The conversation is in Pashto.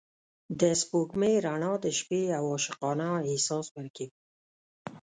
د سپوږمۍ رڼا د شپې یو عاشقانه احساس ورکوي.